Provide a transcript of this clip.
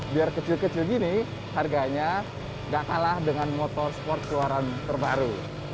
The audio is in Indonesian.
biar kecil kecil gini harganya gak kalah dengan motor sport keluaran terbaru